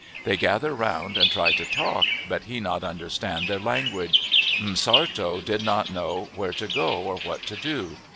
They gather 'round and try to talk, but he not understand their language. M'Sartto did not know where to go or what to do.